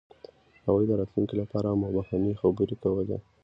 هغوی د راتلونکي لپاره مبهمې خبرې کولې.